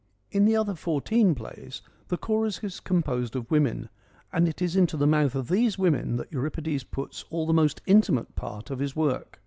In the other fourteen plays the chorus is composed of women, and it is into the mouth of these women that Euripides puts all the most intimate part of his work.